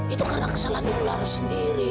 itu karena kesalahan umar laras sendiri